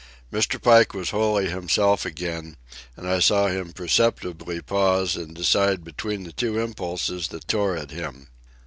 Mr. Pike was wholly himself again, and I saw him perceptibly pause and decide between the two impulses that tore at him.